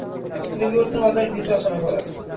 তিনি বিবর্তনবাদের ভিত রচনা করেন।